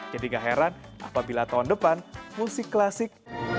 jadi gak heran apabila tahun depan musik klasik